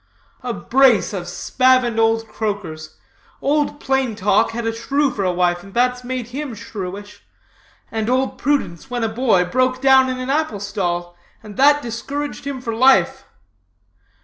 "'A brace of spavined old croakers. Old Plain Talk had a shrew for a wife, and that's made him shrewish; and Old Prudence, when a boy, broke down in an apple stall, and that discouraged him for life.